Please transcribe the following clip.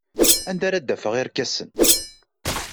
Anda ara d-afeɣ irkasen?